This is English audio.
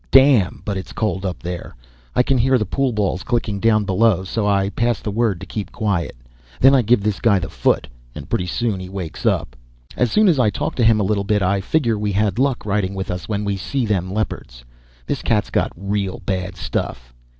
Damn, but it's cold up there. I can hear the pool balls clicking down below so I pass the word to keep quiet. Then I give this guy the foot and pretty soon he wakes up. As soon as I talk to him a little bit I figure we had luck riding with us when we see them Leopards. This cat's got real bad stuff.